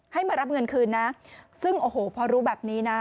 ให้มารับเงินคืนนะซึ่งโอ้โหพอรู้แบบนี้นะ